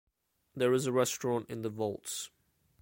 There is a restaurant in the vaults.